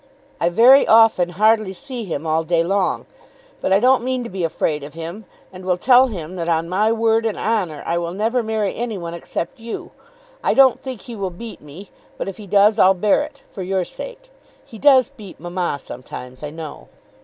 I very often hardly see him all day long. But I don't mean to be afraid of him, and will tell him that on my word and honour I will never marry any one except you. I don't think he will beat me, but if he does, I'll bear it, for your sake. He does beat mamma sometimes, I know.